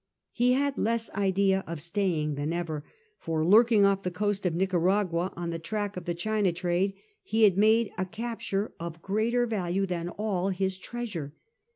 He had less idea of staying than ever ; for, lurking off the coast of Nicaragua, on the track of the China trade, he had made a capture of greater value VI SEEKING A WAY HOME 85 than all his treasure.